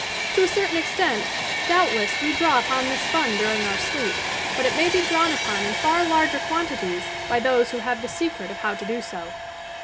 To a certain extent, doubtless, we draw upon thia fund during our sleep; but it may be drawn upon in far larger quantities by those who have the secret of bow to do so.